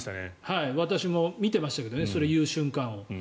私も見ていましたけどもねそれを言う瞬間を。